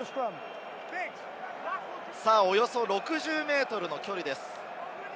およそ６０ｍの距離です。